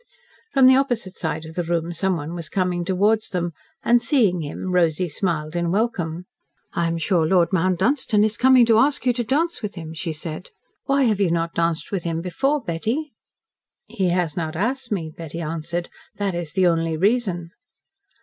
From the opposite side of the room someone was coming towards them, and, seeing him, Rosy smiled in welcome. "I am sure Lord Mount Dunstan is coming to ask you to dance with him," she said. "Why have you not danced with him before, Betty?" "He has not asked me," Betty answered. "That is the only reason."